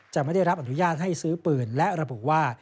ไม่ได้รับอนุญาตให้ซื้อปืนและระบุว่า